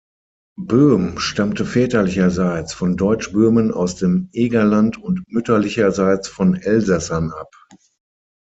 Böhm stammte väterlicherseits von Deutschböhmen aus dem Egerland und mütterlicherseits von Elsässern ab.